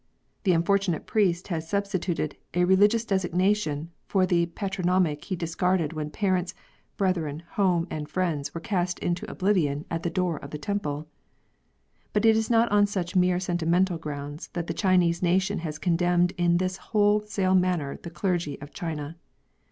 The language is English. " The unfortunate priest has substituted a " religious desig nation" for the patronymic he discarded when parents, brethren, home, and friends were cast into oblivion at the door of the temple.. But it is not on such mere sentimental grounds that the Chinese nation has condemned in this whole sale manner the clergy of China.